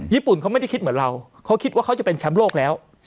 ญี่ปุ่นเขาไม่ได้คิดเหมือนเราเขาคิดว่าเขาจะเป็นแชมป์โลกแล้ว